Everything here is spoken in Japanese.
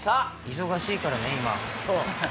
忙しいからね、今。